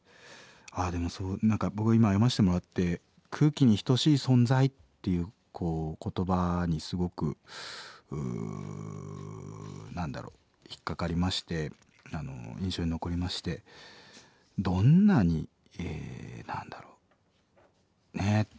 ああでもそう何か僕今読ませてもらって「空気に等しい存在」っていうこう言葉にすごく何だろう引っ掛かりましてあの印象に残りましてどんなに何だろうねえ